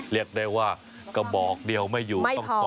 เรียกได้ว่ากระบอกเดียวไม่อยู่มี๒๓กระบอกนนะ